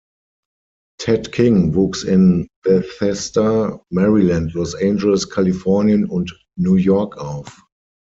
Ted King wuchs in Bethesda, Maryland, Los Angeles, Kalifornien und New York auf.